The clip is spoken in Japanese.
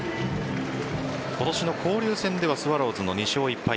今年の交流戦ではスワローズの２勝１敗。